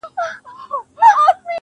د مقدسي فلسفې د پيلولو په نيت.